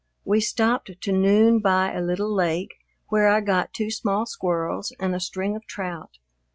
We stopped to noon by a little lake, where I got two small squirrels and a string of trout.